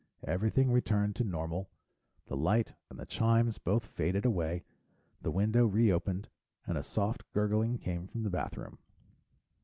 Everything returned to normal. The light and the chimes both faded away, the window reopened, and a soft gurgling came from the bathroom.